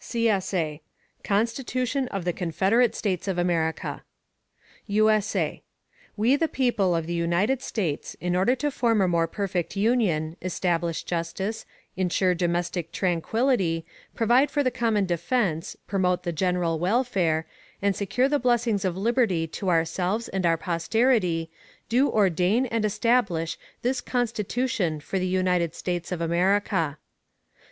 [CSA] Constitution of the Confederate States of America. [USA] We the People of the United States, in order to form a more perfect Union, establish Justice, insure domestic Tranquillity, provide for the common defence, promote the general Welfare, and secure the Blessings of Liberty to ourselves and our Posterity, do ordain and establish this Constitution for the United States of America.